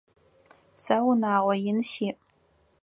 Сэ унагъо ин сиӏ.